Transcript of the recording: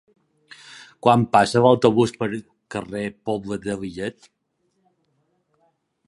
Quan passa l'autobús pel carrer Pobla de Lillet?